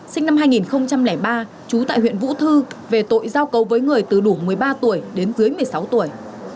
sinh năm hai nghìn ba trú tại huyện vũ thư về tội giao cấu với người từ đủ một mươi ba tuổi đến dưới một mươi sáu tuổi